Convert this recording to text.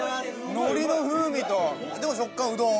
のりの風味とでも、食感はうどん。